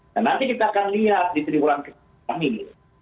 dan nanti kita akan lihat di tiga bulan ke dua ini